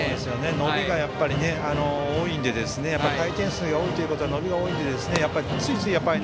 伸びが多いので回転数が多いということは伸びが多いので、ついつい。